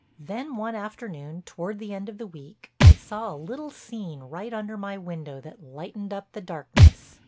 Then one afternoon toward the end of the week I saw a little scene right under my window that lightened up the darkness.